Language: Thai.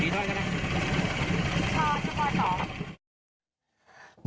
นี่กี่ด้านแน่น่ะ